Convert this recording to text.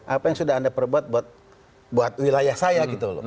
apa yang sudah anda perbuat buat wilayah saya